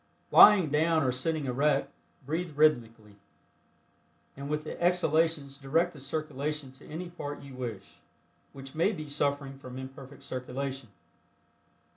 Lying down or sitting erect, breathe rhythmically, and with the exhalations direct the circulation to any part you wish, which may be suffering from imperfect circulation.